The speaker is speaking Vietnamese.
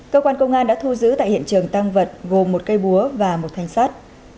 cơ quan công an đã thu giữ tại hiện trường tăng vật gồm một cây búa và một thanh sát